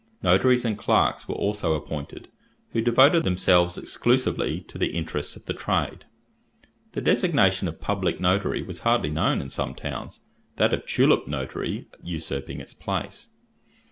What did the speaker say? Notaries and clerks were also appointed, who devoted themselves exclusively to the interests of the trade. The designation of public notary was hardly known in some towns, that of tulip notary usurping its place.